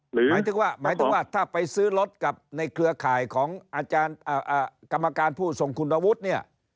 หมายถึงว่าถ้าไปซื้อรถกับในเครือข่ายของกรรมการผู้สงคุณวุฒิเนี่ย